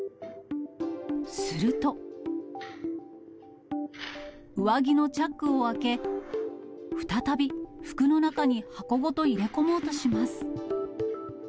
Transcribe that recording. すると、上着のチャックを開け、再び服の中に箱ごと入れ込もうとします。